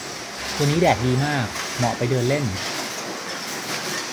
วันนี้แดดดีมาก เหมาะไปเดินเล่น